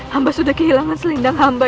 hamba sudah kehilangan selindang hamba